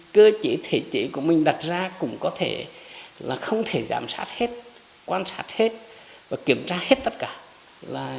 cơ chế thể chế của mình đặt ra cũng có thể là không thể giám sát hết quan sát hết và kiểm tra hết tất cả